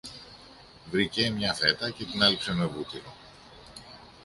Βρήκε μια φέτα και την άλέιψε με βούτυρο